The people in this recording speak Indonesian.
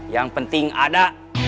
yang penting ada